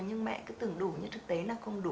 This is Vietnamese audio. nhưng mẹ cứ tưởng đủ nhưng thực tế là không đủ